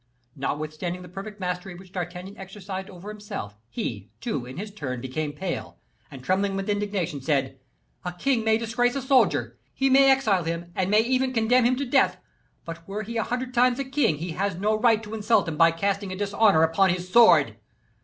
Notwithstanding the perfect mastery which D'Artagnan exercised over himself, he, too, in his turn, became pale, and, trembling with indignation, said: "A king may disgrace a soldier, he may exile him, and may even condemn him to death; but were he a hundred times a king, he has no right to insult him by casting a dishonor upon his sword!